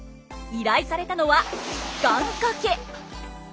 依頼されたのは願掛け！